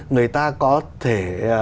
người ta có thể